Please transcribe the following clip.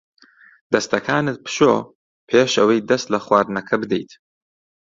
دەستەکانت بشۆ پێش ئەوەی دەست لە خواردنەکە بدەیت.